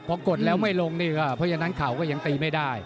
เพราะกดแล้วไม่ลงเพราะฉะนั้นเขาก็ยังตีไม่ได้